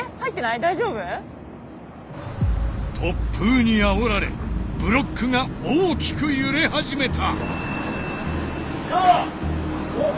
突風にあおられブロックが大きく揺れ始めた！